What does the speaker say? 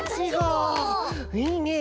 いいねえ